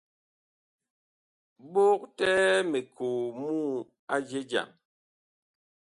Bogtɛɛ mikoo mu a je jam.